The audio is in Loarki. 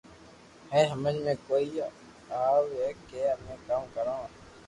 ھي ھمج ۾ ڪوئي آ وتو ڪي اپي ڪاو ڪرو